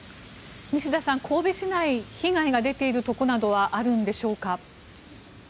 西田さん、神戸市内被害が出ているところなどはあるんでしょうか？